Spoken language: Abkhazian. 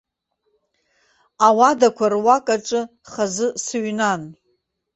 Ауадақәа руак аҿы хазы сыҩнан.